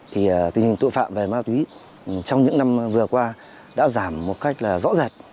thì tình hình tội phạm về ma túy trong những năm vừa qua đã giảm một cách rõ rệt